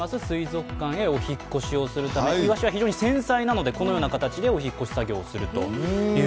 水族館へお引っ越しいわしは非常に繊細なので、このような形でお引っ越しをすると。